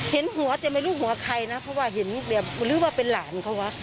เห็นหัวแต่ไม่รู้หัวใครนะเพราะว่าเห็นแบบหรือว่าเป็นหลานเขาวะ